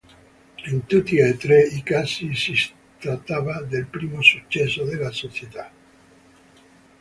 In tutti e tre i casi si trattava del primo successo della società.